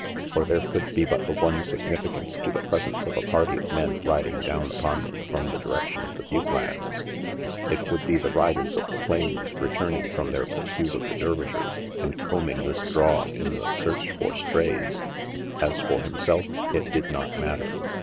For there could be but the one significance to the presence of a party of men riding down upon them from the direction of the butte lands. It would be the riders of the plains returning from their pursuit of the Dervishers and combing this draw in the search for strays. As for himself it did not matter.